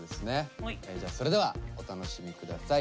じゃあそれではお楽しみ下さい。